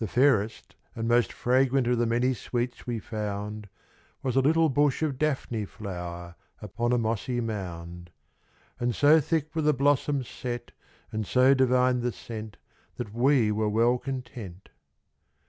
The fairest and most fragrant Of the many sweets we found, Was a little bush of Daphne flower Upon a mossy mound, And so thick were the blossoms set and so divine the scent That we were well content.